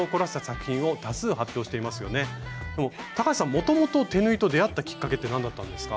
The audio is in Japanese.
もともと手縫いと出会ったきっかけって何だったんですか？